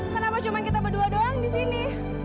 kenapa cuma kita berdua doang di sini